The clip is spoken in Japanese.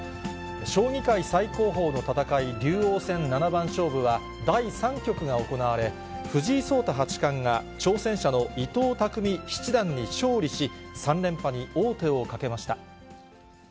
将棋界最高峰の戦い、竜王戦七番勝負は、第３局が行われ、藤井聡太八冠が、挑戦者の伊藤匠七段に勝利し、３連覇に王手をかけました。